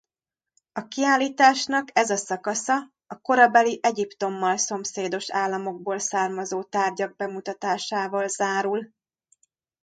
A kiállításnak ez a szakasza a korabeli Egyiptommal szomszédos államokból származó tárgyak bemutatásával zárul.